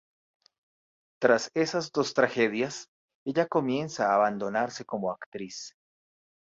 Trás esas dos tragedias, ella comienza a abandonarse como actriz..